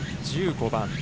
１５番。